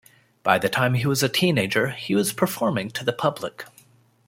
By the time he was a teenager he was performing to the public.